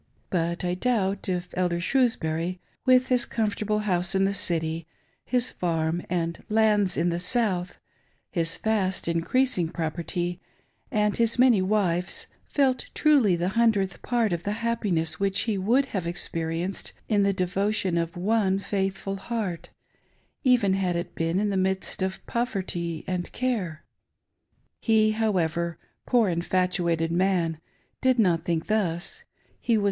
But I doubt if Elder Shrews bury, with his comfortable house in the City, his farm and lands in the South, his fast increasing property, and his many wives, felt truly the hundredth part of the happiness which he would have experienced in the devotion of one faithful heart, even had it been in the midst of poverty and care. He, how ever, poor infatuated man, did not think thus ; he was.